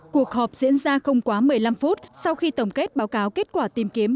cuộc họp diễn ra không quá một mươi năm phút sau khi tổng kết báo cáo kết quả tìm kiếm